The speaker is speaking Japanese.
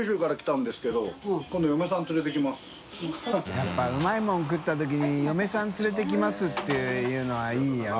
笋辰うまいもん食ったときに嫁さん連れてきます」って言うのはいいよね。